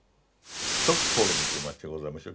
ストックホルムという町がございましょ。